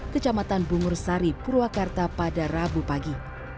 kecamatan bungur sari purwakarta pada rabu pagi